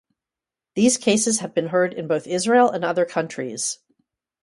These cases have been heard in both Israel and in other countries.